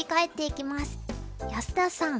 安田さん